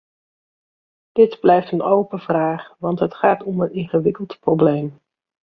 Dit blijft een open vraag, want het gaat om een ingewikkeld probleem.